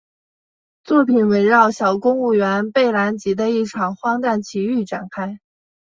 作品围绕小公务员贝兰吉的一场荒诞奇遇展开。